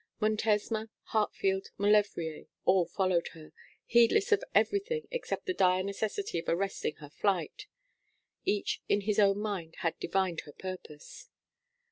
Montesma, Hartfield, Maulevrier, all followed her, heedless of everything except the dire necessity of arresting her flight. Each in his own mind had divined her purpose.